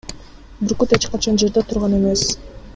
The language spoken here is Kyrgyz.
Бүркүт эч качан жерде турган эмес.